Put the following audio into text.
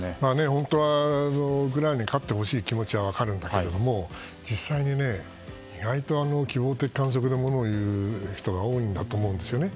本当はウクライナに勝ってほしい気持ちは分かるけど実際に、意外と希望的観測でものを言う人が多いんだと思うんですよね。